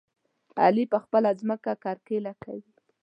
علي په خپله ځمکه کرکيله کوي.